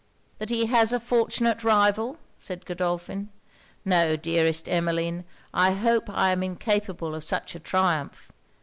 'That he has a fortunate rival?' said Godolphin. 'No, dearest Emmeline, I hope I am incapable of such a triumph!